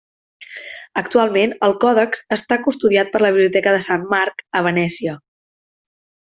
Actualment el còdex està custodiat per la Biblioteca de Sant Marc, a Venècia.